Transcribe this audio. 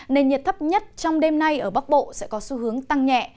nền nhiệt thấp nhất trong đêm nay ở bắc bộ sẽ có xu hướng tăng nhẹ